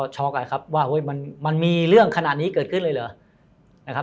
ช็อกกันครับว่ามันมีเรื่องขนาดนี้เกิดขึ้นเลยเหรอนะครับ